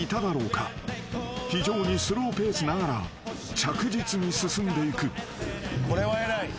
［非常にスローペースながら着実に進んでいく］